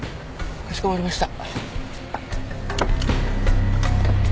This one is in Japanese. かしこまりました。